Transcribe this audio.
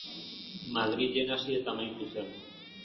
Madrilen hasi eta amaitu zen.